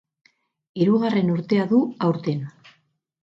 Hirugarren urtea du aurten.